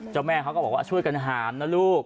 แม่เขาก็บอกว่าช่วยกันหามนะลูก